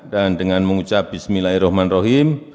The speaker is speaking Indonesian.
dan dengan mengucap bismillahirrahmanirrahim